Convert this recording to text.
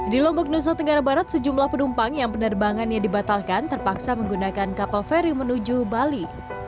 di lombok nusa tenggara barat sejumlah penumpang yang penerbangannya dibatalkan terpaksa menggunakan kapal feri menuju bali